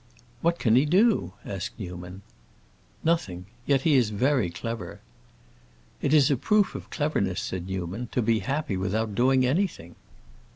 "What can he do?" asked Newman. "Nothing. Yet he is very clever." "It is a proof of cleverness," said Newman, "to be happy without doing anything."